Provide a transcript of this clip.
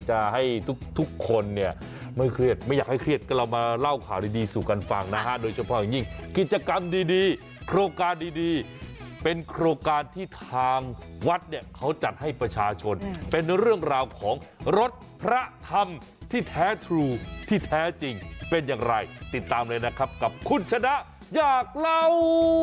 จะให้ทุกคนเนี่ยไม่เครียดไม่อยากให้เครียดก็เรามาเล่าข่าวดีสู่กันฟังนะฮะโดยเฉพาะอย่างยิ่งกิจกรรมดีโครงการดีเป็นโครงการที่ทางวัดเนี่ยเขาจัดให้ประชาชนเป็นเรื่องราวของรถพระธรรมที่แท้ทรูที่แท้จริงเป็นอย่างไรติดตามเลยนะครับกับคุณชนะอยากเล่า